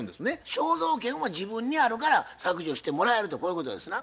肖像権は自分にあるから削除してもらえるとこういうことですな？